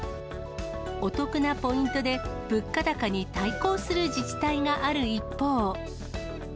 お得なポイントで、物価高に対抗する自治体がある一方。